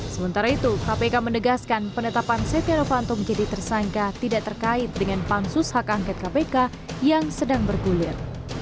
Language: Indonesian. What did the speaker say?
sementara itu kpk menegaskan penetapan setia novanto menjadi tersangka tidak terkait dengan pansus hak angket kpk yang sedang bergulir